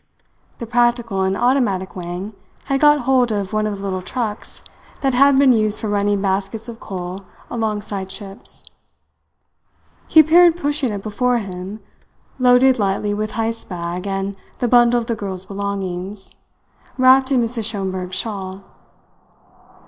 The practical and automatic Wang had got hold of one of the little trucks that had been used for running baskets of coal alongside ships. He appeared pushing it before him, loaded lightly with Heyst's bag and the bundle of the girl's belongings, wrapped in Mrs. Schomberg's shawl.